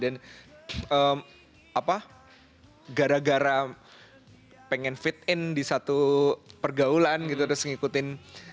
dan gara gara pengen fit in di satu pergaulan gitu terus ngikutin